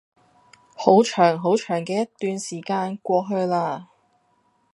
好長好長嘅一段時間過去嘞